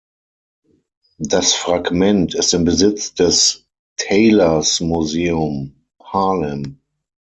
Das Fragment ist in Besitz des Teylers Museum, Haarlem.